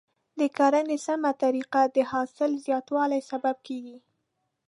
د کرنې سمه طریقه د حاصل زیاتوالي سبب کیږي.